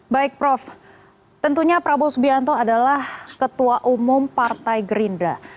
baik prof tentunya prabowo subianto adalah ketua umum partai gerindra